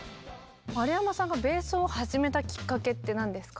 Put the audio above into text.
丸山さんがベースを始めたきっかけって何ですか？